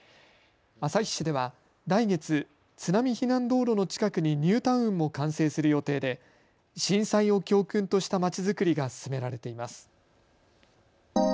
旭市では来月、津波避難道路の近くにニュータウンも完成する予定で震災を教訓としたまちづくりが進められています。